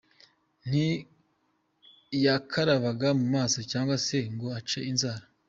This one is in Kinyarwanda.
Nti yakarabaga mu maso cyangwa se ngo ace inzara.